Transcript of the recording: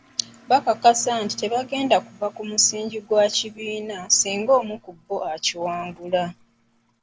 Bakakasa nti tebagenda kuva ku musingi gwa kibiina singa omu ku bo akiwangula.